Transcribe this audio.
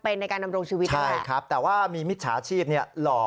นี่เป็นศาลิปธนาคารกรุงไทย